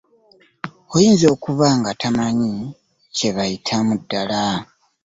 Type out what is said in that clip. Oyinza okuba ng'atamanyi kye bayitamu ddala?